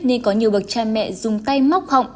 nên có nhiều bậc cha mẹ dùng tay móc họng